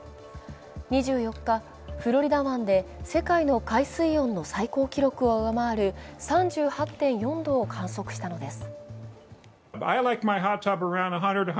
２４日、フロリダ湾で世界の海水温の最高記録を上回る３８．４度を観測したのです。